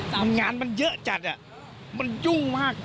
มันงานมันเยอะจัดมันยุ่งมาก